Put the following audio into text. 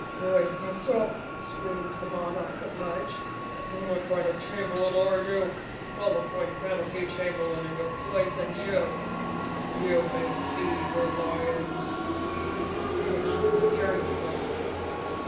"Great Gazupp!" screamed the monarch of Mudge. "What kind of a chamberlain are you? I'll appoint 17 The Cowardly Lion of Oz _ Panapee chamberlain in your place and you —you may feed the lions!" he finished furiously.